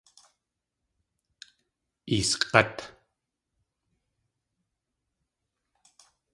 Eesg̲át!